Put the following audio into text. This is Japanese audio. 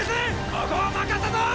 ここは任せたぞ！